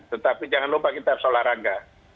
tetapi jangan lupa kita harus olahraga